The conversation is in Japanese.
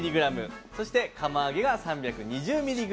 そして釜揚げが３２０ｍｇ。